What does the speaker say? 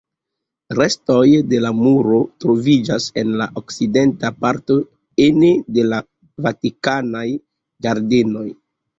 Restoj de la muro troviĝas en la okcidenta parto ene de la vatikanaj ĝardenoj.